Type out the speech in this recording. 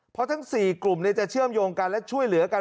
เพราะทั้ง๔กลุ่มจะเชื่อมโยงกันและช่วยเหลือกัน